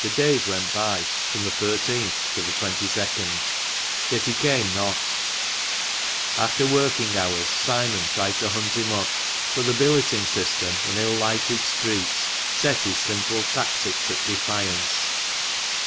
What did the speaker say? The days went by from the i$th to the 22nd, yet he came not. After working hours Simon tried to hunt him up ; but the billeting system and ill lighted streets, set his simple tactics at defiance.